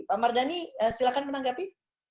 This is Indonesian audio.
pak mardhani silakan menanggapi